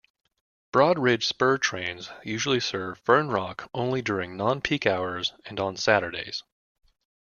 Broad-Ridge Spur trains usually serve Fern Rock only during non-peak hours and on Saturdays.